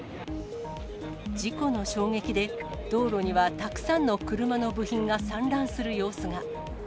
事故の衝撃で、道路にはたくさんの車の部品が散乱する様子が。